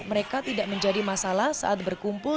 mereka tidak menjadi masalah saat berkumpul